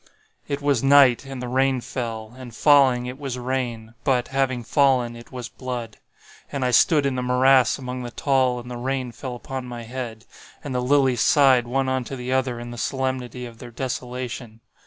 "It was night, and the rain fell; and falling, it was rain, but, having fallen, it was blood. And I stood in the morass among the tall and the rain fell upon my head—and the lilies sighed one unto the other in the solemnity of their desolation.